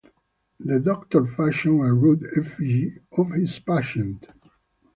The doctor fashions a rude effigy of his patient.